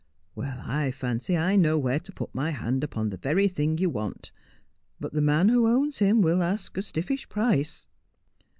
' I fancy I know where to put my hand upon the very thing you want ; but the man who owns him will ask a stiffish price.'